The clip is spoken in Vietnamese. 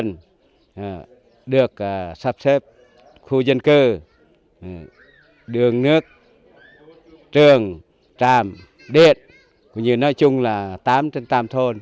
nhiều nhân dân được sắp xếp khu dân cư đường nước trường tràm điện cũng như nói chung là tám trên ba thôn